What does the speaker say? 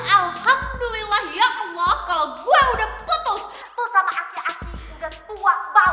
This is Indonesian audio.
alhamdulillah ya allah kalau gue udah putus tuh sama aki aki udah tua banget